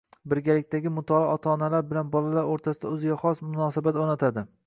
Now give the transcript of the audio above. Birgalikdagi mutolaa ota-onalar bilan bolalar o‘rtasida o‘ziga xos munosabat o‘rnatadi.